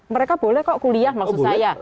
mereka boleh kok kuliah maksud saya